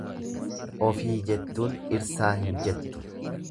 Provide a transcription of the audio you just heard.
Ofii jettuun dhirsaa hin jettu.